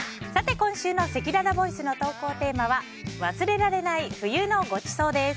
今週のせきららボイスの投稿テーマは忘れられない冬のごちそうです。